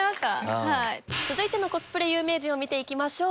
続いてのコスプレ有名人を見て行きましょう。